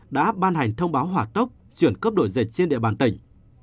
đã ban hành thông báo hỏa tốc chuyển cấp đổi dịch trên địa bàn tỉnh